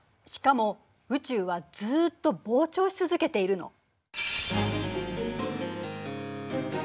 しかも宇宙はずっと膨張し続けているの。